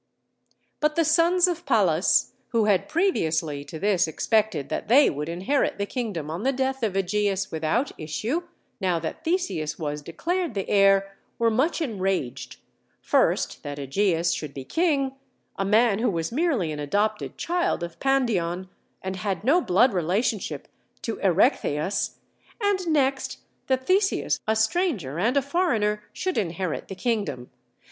But the sons of Pallas, who had previously to this expected that they would inherit the kingdom on the death of Ægeus without issue, now that Theseus was declared the heir, were much enraged, first that Ægeus should be king, a man who was merely an adopted child of Pandion, and had no blood relationship to Erechtheus, and next that Theseus, a stranger and a foreigner, should inherit the kingdom.